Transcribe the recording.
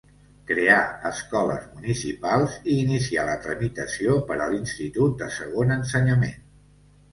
Creà escoles municipals i inicià la tramitació per a l'institut de segon ensenyament.